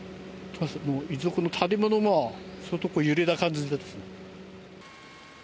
建物も相当揺れた感じですね。